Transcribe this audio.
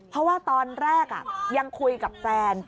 เพราะว่าตอนแรกยังคุยกับแฟน